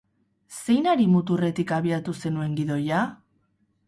Zein hari muturretik abiatu zenuen gidoia?